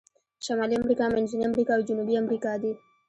شمالي امریکا، منځنۍ امریکا او جنوبي امریکا دي.